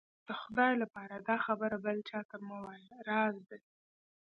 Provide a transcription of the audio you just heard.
د خدای لهپاره دا خبره بل چا ته مه وايه، راز دی.